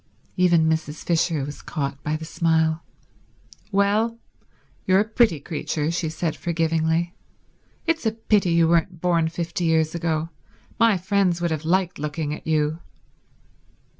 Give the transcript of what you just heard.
Even Mrs. Fisher was caught by the smile. "Well, you're a pretty creature," she said forgivingly. "It's a pity you weren't born fifty years ago. My friends would have liked looking at you."